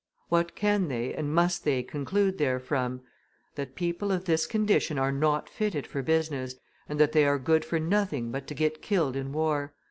What can they and must they conclude therefrom? That people of this condition are not fitted for business, and that they are good for nothing but to get killed in war.